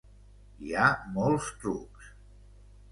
Hi ha molts trucs.